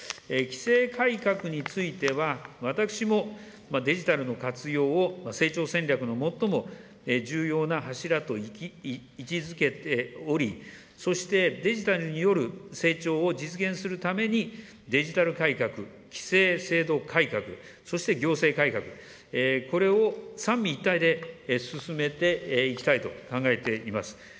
規制改革については、私もデジタルの活用を成長戦略の最も重要な柱と位置づけており、そして、デジタルによる成長を実現するために、デジタル改革、規制制度改革、そして行政改革、これを三位一体で進めていきたいと考えています。